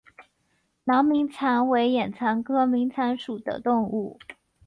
囊明蚕为眼蚕科明蚕属的动物。